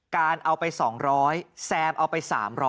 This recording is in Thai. การเอาไป๒๐๐แซมเอาไป๓๐๐